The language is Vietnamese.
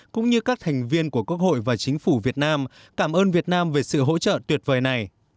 cũng như các thành viên của quốc hội và chính phủ việt nam cảm ơn việt nam về sự hỗ trợ tuyệt vời này